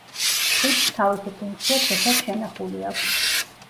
ხიდს თავისი ფუნქცია დღესაც შენახული აქვს.